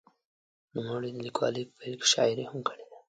نوموړي د لیکوالۍ په پیل کې شاعري هم کړې ده.